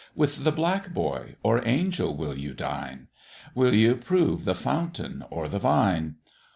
With the Black Boy or Angel will ye dine? Will ye approve the Fountain or the Vine?